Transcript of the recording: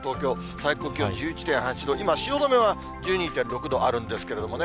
最高気温１１．８度、今、汐留は１２．６度あるんですけれどもね。